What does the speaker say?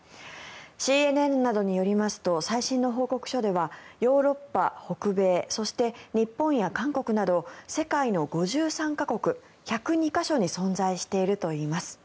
ＣＮＮなどによりますと最新の報告書ではヨーロッパ、北米そして日本や韓国など世界の５３か国、１０２か所に存在しているといいます。